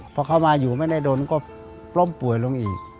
พอเขามาอยู่ไม่ได้ดนก็ล้มป่วยลงอีก